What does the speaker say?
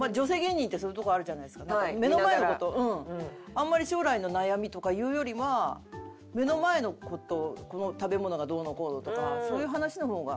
あんまり将来の悩みとかいうよりは目の前の事この食べ物がどうのこうのとかそういう話の方が。